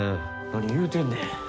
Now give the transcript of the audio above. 何言うてんねん。